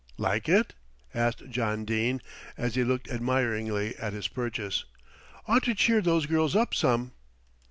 "Like it?" asked John Dene, as he looked admiringly at his purchase. "Ought to cheer those girls up some."